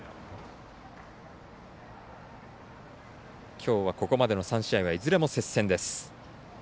きょうは、ここまでの３試合はいずれも接戦です。